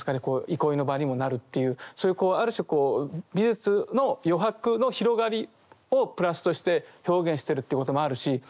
こう憩いの場にもなるというそういうある種こう美術の余白の広がりを「プラス」として表現してるっていうこともあるし